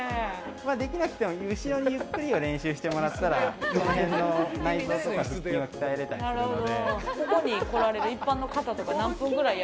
できなくても後ろにゆっくりを練習してもらったらその辺の内臓とか腹筋を鍛えられたりするので。